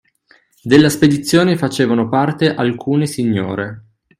Della spedizione facevano parte alcune signore